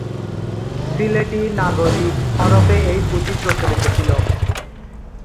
সিলেটি নাগরী হরফে এই পুঁথি প্রচলিত ছিল।